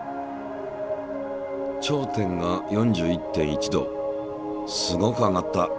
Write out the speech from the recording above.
頂点が４１．１℃すごく上がった。